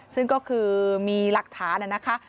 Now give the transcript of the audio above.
ซึ่งก็คือมีหลักฐานนะคะ